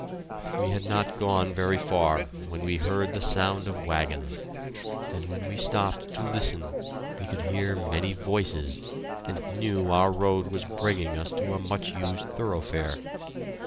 We had not gone very far when we heard the sound of wagons, and when we stopped to listen we could hear many voices, and knew our road was bringing us to a much used thoroughfare.